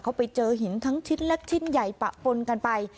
เขาไปเจอหินทั้งชิ้นเล็กชิ้นใหญ่ปะปนกันไป